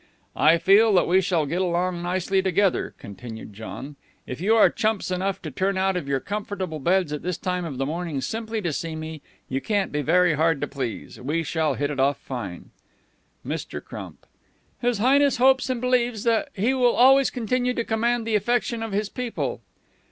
"I feel that we shall get along nicely together," continued John. "If you are chumps enough to turn out of your comfortable beds at this time of the morning simply to see me, you can't be very hard to please. We shall hit it off fine." Mr. Crump: "His Highness hopes and believes that he will always continue to command the affection of his people."